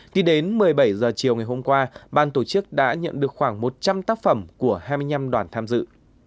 tính đến một mươi bảy h chiều ngày hôm qua ban tổ chức đã nhận được khoảng một trăm linh tác phẩm của hai mươi năm đoàn tham dự